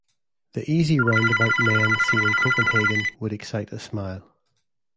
The easy roundabout men seen in Copenhagen would excite a smile.